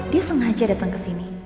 dia sengaja datang ke sini